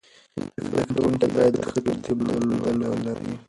زده کوونکي باید د ښه تربیت درلودل ولري.